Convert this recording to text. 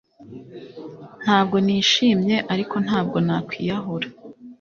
Ntabwo nishimye ariko ntabwo nakwiyahura